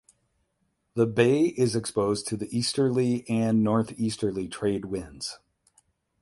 The bay is exposed to the easterly and northeasterly trade winds.